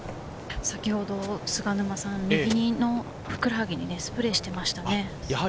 先ほど菅沼さん、右のふくらはぎにスプレーをしていましたね。